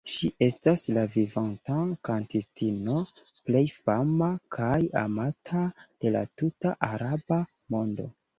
Ŝi estas la vivanta kantistino plej fama kaj amata de la tuta Araba mondo.